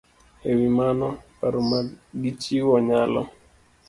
E wi mano, paro ma gichiwo nyalo